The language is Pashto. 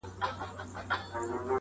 ولې خپل یې ګڼې